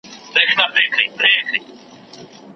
ادبي تاریخ باید په دقت سره وڅېړل سي.